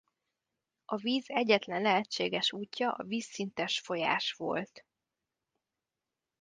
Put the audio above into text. A víz egyetlen lehetséges útja a vízszintes folyás volt.